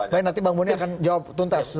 nanti bang buni akan jawab tuntas